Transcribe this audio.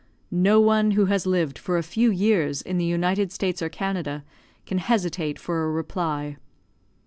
No one who has lived for a few years in the United States or Canada can hesitate for a reply.